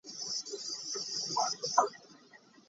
Hey Prabhu!